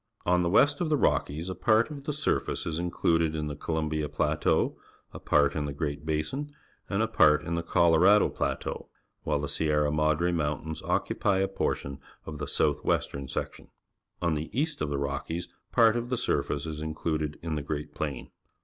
On the west of the Rockies a part of the surface is included in the Columbia Plateau, a part in the Great Basin, and a part in the Colorado Plateau, while the Sierra Madre Mountains occupy a portion of the south western section. On' the east of the Rockies part of the surface is included in the Great Plain.